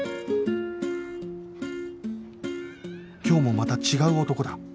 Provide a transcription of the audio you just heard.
今日もまた違う男だ